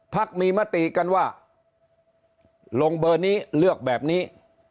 มีมติกันว่าลงเบอร์นี้เลือกแบบนี้